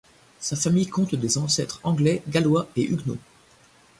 Sa famille compte des ancêtres anglais, gallois et huguenots.